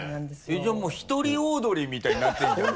じゃあもう１人オードリーみたいになってるじゃん